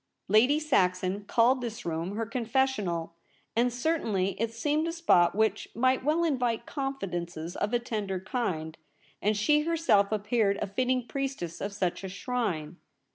Lady Saxon called this room her confes sional, and certainly it seemed a spot which might well invite confidences of a tender kind, and she herself appeared a fitting priestess of such a shrine.